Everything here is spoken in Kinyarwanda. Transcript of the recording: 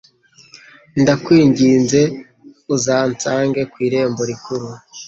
Ndakwinginze uzansange ku irembo rikuru